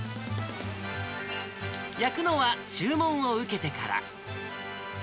焼くのは注文を受けてから。